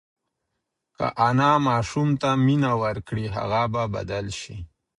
که انا ماشوم ته مینه ورکړي، هغه به بدل شي.